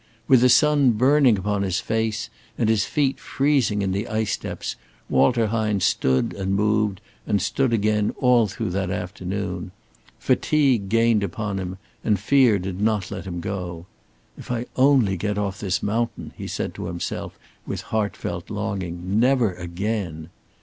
With the sun burning upon his face, and his feet freezing in the ice steps, Walter Hine stood and moved, and stood again all through that afternoon. Fatigue gained upon him, and fear did not let him go. "If only I get off this mountain," he said to himself with heartfelt longing, "never again!"